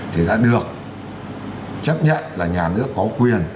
thì đã được chấp nhận là nhà nước có quyền